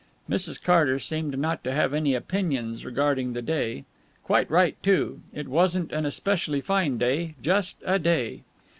Mrs. Carter seemed not to have any opinions regarding the day. Quite right, too; it wasn't an especially fine day; just a day.